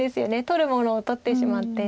取るものを取ってしまって。